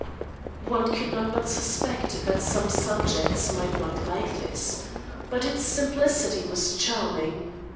One could not but suspect that some subjects might not like this. But its simplicity was charming.